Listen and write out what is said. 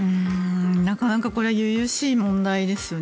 なかなかこれは由々しい問題ですよね。